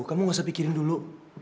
kamu gak usah pikirin dulu